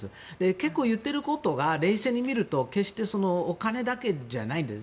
結構、言っていることが冷静に見ると決してお金だけじゃないんです。